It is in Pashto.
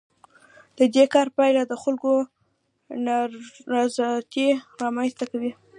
د دې کار پایله د خلکو نارضایتي رامنځ ته کوي.